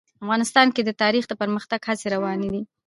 افغانستان کې د تاریخ د پرمختګ هڅې روانې دي.